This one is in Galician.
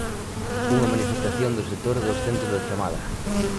Unha manifestación do sector dos centros de chamada.